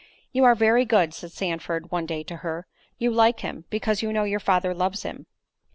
"You are very good," said Sandford, one day to her; "you like him, because you know your father loves him."